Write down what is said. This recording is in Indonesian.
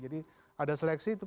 jadi ada seleksi